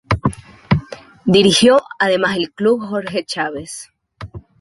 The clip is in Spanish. Dirigió además al club Jorge Chávez.